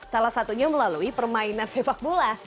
salah satunya melalui permainan sepak bola